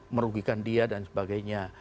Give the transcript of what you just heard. merugikan dia dan sebagainya